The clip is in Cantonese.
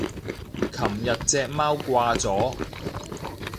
琴日隻貓掛咗